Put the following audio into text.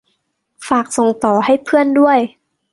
ฝากส่งต่อให้เพื่อนด้วย